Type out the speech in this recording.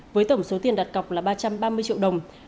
với tổng số tiền đặt cọc là ba trăm ba mươi triệu đồng